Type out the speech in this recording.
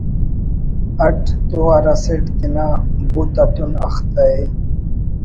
اٹ تو ہراسٹ تینا بُت اتون اختہ ءِ